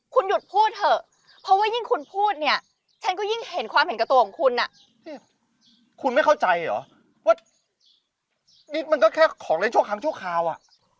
เข้าใจเหรอว่านี่มันก็แค่ของเล่นชั่วครั้งชั่วคราวอ่ะ